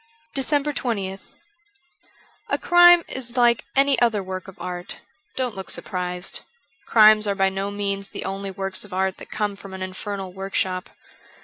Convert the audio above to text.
392 DECEMBER 20th A CRIME is like any other work of art. Don't look surprised ; crimes are by no means the only works of art that come from an infernal workshop.